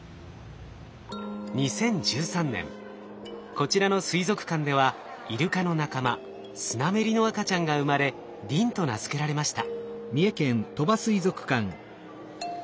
２０１３年こちらの水族館ではイルカの仲間スナメリの赤ちゃんが生まれリンと名付けられました。